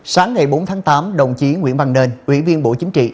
sáng ngày bốn tháng tám đồng chí nguyễn văn nên ủy viên bộ chính trị